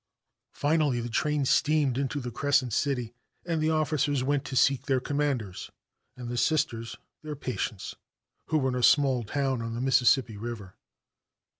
Finally the train steamed into the Crescent City, and the officers went to seek their commanders and the sisters their patients, who were in a small town on the Mississippi River.